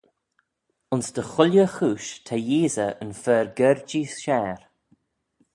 Ayns dy chooilley chooish ta Yeesey yn fer gerjee share.